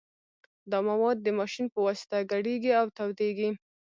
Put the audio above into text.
دا مواد د ماشین په واسطه ګډیږي او تودیږي